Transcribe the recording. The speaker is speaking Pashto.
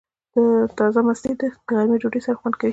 تازه مستې د غرمې ډوډۍ سره خوند کوي.